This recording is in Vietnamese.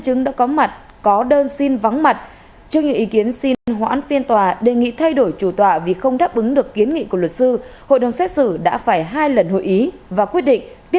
cảm ơn các bạn đã theo dõi hẹn gặp lại